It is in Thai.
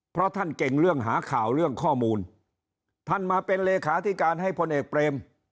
เพราะท่านเก่งเรื่องหาข่าวเรื่องข้อมูลท่านมาเป็นเลขาธิการให้พลเอกเปรม